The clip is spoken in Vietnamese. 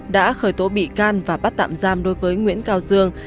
đã khởi tố bị can và bắt tạm giam đối với nguyễn cao dương